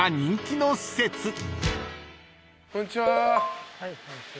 こんにちは。